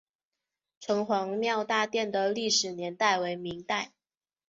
城隍庙大殿的历史年代为明代。